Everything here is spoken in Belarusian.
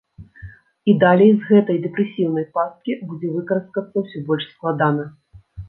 І далей з гэтай дэпрэсіўнай пасткі будзе выкараскацца ўсё больш складана.